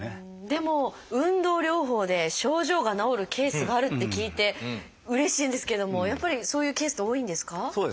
でも運動療法で症状が治るケースがあるって聞いてうれしいんですけどもやっぱりそういうケースって多いんですか？